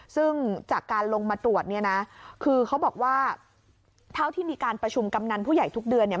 ซึ่งจากการลงมาตรวจเนี่ยนะคือเขาบอกว่าเท่าที่มีการประชุมกำนันผู้ใหญ่ทุกเดือนเนี่ย